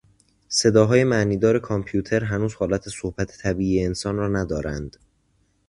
صداهای معنیدار کامپیوتر هنوز حالت صحبت طبیعی انسان را ندارند.